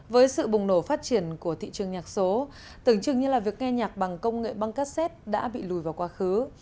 với sự bùng nổ phát triển của thị trường nhạc số tưởng chừng như việc nghe nhạc bằng công nghệ băng cassette đã bị lùi vào quá khứ